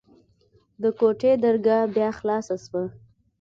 د کوټې درګاه بيا خلاصه سوه.